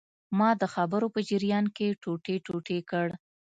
ما د خبرو په جریان کې ټوټې ټوټې کړ.